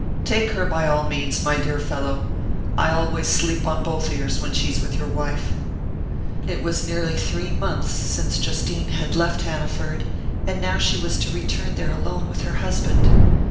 "Take her by all means, my dear fellow: I always sleep on both ears when she's with your wife." It was nearly three months since Justine had left Hanaford and now she was to return there alone with her husband!